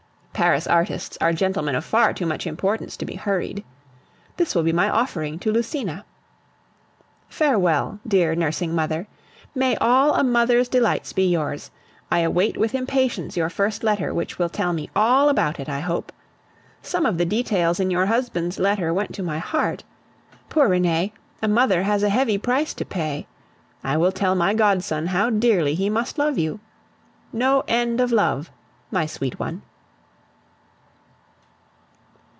Paris artists are gentlemen of far too much importance to be hurried. This will be my offering to Lucina. Farewell, dear nursing mother. May all a mother's delights be yours! I await with impatience your first letter, which will tell me all about it, I hope. Some of the details in your husband's letter went to my heart. Poor Renee, a mother has a heavy price to pay. I will tell my godson how dearly he must love you. No end of love, my sweet one.